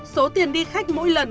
số tiền đi khách mỗi lần